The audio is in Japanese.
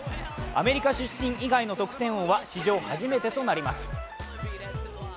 アメリカ出身以外の得点王は史上初めてとなります。